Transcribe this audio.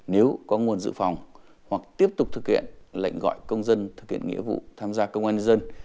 nếu có nguồn dự phòng hoặc tiếp tục thực hiện lệnh gọi công dân thực hiện nghĩa vụ tham gia công an nhân dân